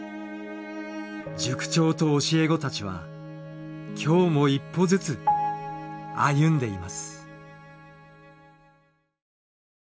塾長と教え子たちは今日も一歩ずつ歩んでいます。